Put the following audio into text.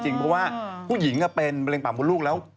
เพราะว่าผู้หญิงก็เป็นแบรนด์ปรับมุดลูกแล้ว